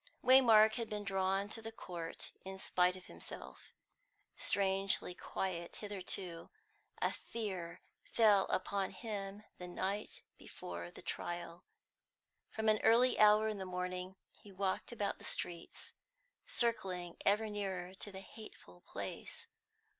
Waymark had been drawn to the court in spite of himself. Strangely quiet hitherto, a fear fell upon him the night before the trial. From an early hour in the morning he walked about the streets, circling ever nearer to the hateful place.